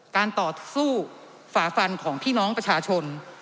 การต่อสู้ฝาฟันของพี่น้องประชาชน